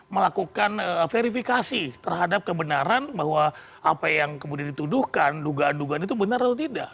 melakukan verifikasi terhadap kebenaran bahwa apa yang kemudian dituduhkan dugaan dugaan itu benar atau tidak